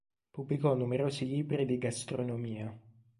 Pubblicò numerosi libri di gastronomia.